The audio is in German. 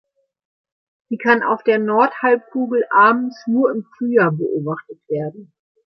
Sie kann auf der Nordhalbkugel abends nur im Frühjahr beobachtet werden.